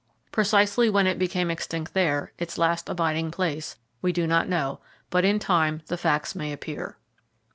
Precisely when it became extinct there, its last abiding place, we do not know, but in time the facts may appear.